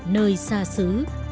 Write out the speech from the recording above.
nơi xa xứ